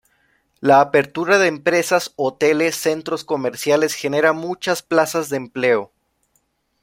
La apertura de empresas, hoteles, centros comerciales, genera muchas plazas de empleo.